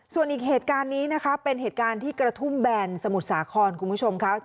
ส่วนอีกเหตุการณ์นี้นะคะเป็นเหตุการณ์ที่กระทุ่มแบนสมุทรสาครคุณผู้ชมค่ะ